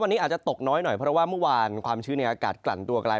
วันนี้อาจจะตกน้อยหน่อยเพราะว่าเมื่อวานความชื้นในอากาศกลั่นตัวกลาย